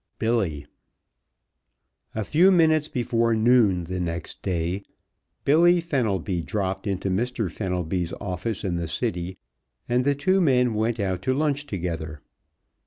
IV BILLY A few minutes before noon the next day Billy Fenelby dropped into Mr. Fenelby's office in the city and the two men went out to lunch together.